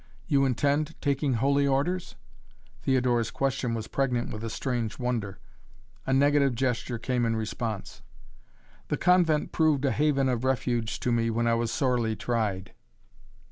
"You intend taking holy orders?" Theodora's question was pregnant with a strange wonder. A negative gesture came in response. "The convent proved a haven of refuge to me when I was sorely tried."